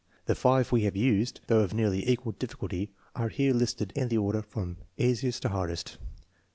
The five we have used, though of nearly equal difficulty, are here listed in the order from easiest to hard est.